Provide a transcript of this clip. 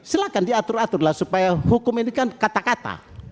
silahkan diatur atur lah supaya hukum ini kan kata kata